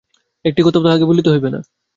একটি কথাও তাহাকে বলিতে হইবে না।